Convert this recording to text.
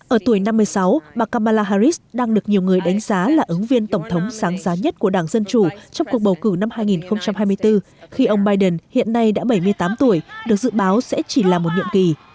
ở tuổi năm mươi sáu bà kamala harris đang được nhiều người đánh giá là ứng viên tổng thống sáng giá nhất của đảng dân chủ trong cuộc bầu cử năm hai nghìn hai mươi bốn khi ông biden hiện nay đã bảy mươi tám tuổi được dự báo sẽ chỉ là một nhiệm kỳ